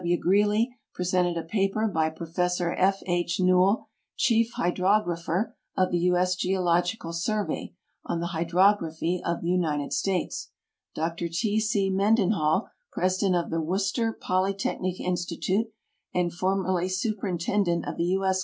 W. Greely presented a paper by Prof. F. H. Newell, Chief Hydrographer of the U. S. Geological Survey, on the Hydrography of the United States ; I)r T. C. Mcn denhall. President of the Worcester Polytechnic Institute and formerly Superintendent of the U. S.